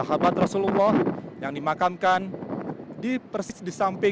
jemaah yang berjalan